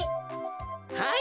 はい。